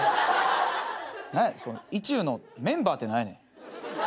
何やその「意中のメンバー」って何やねん。